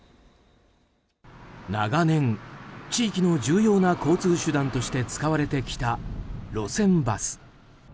長年地域の重要な交通手段として使われてきた路線バス。